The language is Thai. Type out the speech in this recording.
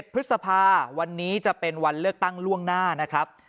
พฤษภาวันนี้จะเป็นวันเลือกตั้งล่วงหน้านะครับ